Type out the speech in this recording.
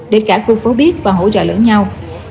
để cả khu phố biết và hỗ trợ lẫn nhau